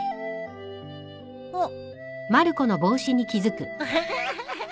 あっ。